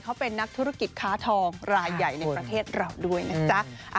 เขาเป็นนักธุรกิจค้าทองรายใหญ่ในประเทศเราด้วยนะจ๊ะ